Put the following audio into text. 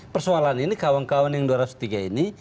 persoalan ini kawan kawan yang dua ratus tiga ini